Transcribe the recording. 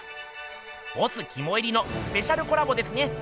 ボスきもいりのスペシャルコラボですね。